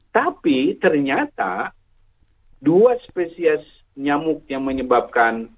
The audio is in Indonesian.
tapi ternyata dua spesies nyamuk yang menyebabkan